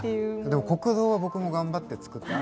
でも国道は僕も頑張ってつくった。